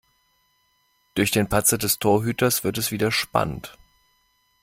Durch den Patzer des Torhüters wird es wieder spannend.